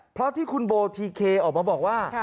เพราะที่คุณโบทีเคออกมาบอกว่า